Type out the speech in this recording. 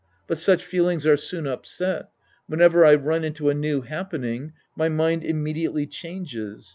But such feelings are soon upset. Whenever I run into a new happen ing, my mind immediately changes.